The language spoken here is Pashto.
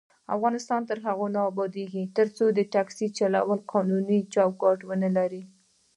افغانستان تر هغو نه ابادیږي، ترڅو ټکسي چلول قانوني چوکاټ ونه لري.